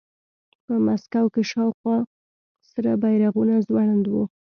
په مسکو کې شاوخوا سره بیرغونه ځوړند وو